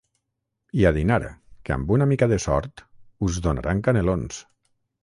I a dinar, que amb una mica de sort, us donaran canelons.